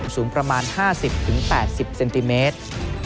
สูงประมาณ๕๐๘๐เซนติเมตร